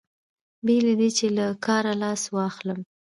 بې له دې چې له کاره لاس واخلم.